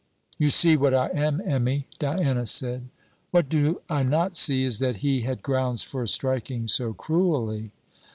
'You see what I am, Emmy,' Diana said. 'What I do not see, is that he had grounds for striking so cruelly.'